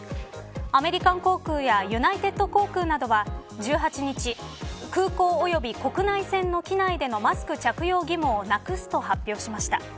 アメリカン航空やユナイテッド航空などは１８日空港及び国内線の機内でのマスク着用義務をなくすと発表しました。